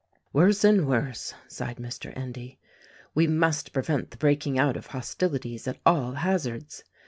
"Worse and worse," sighed Mr. Endy. "We must pre vent the breaking out of hostilities at all hazards.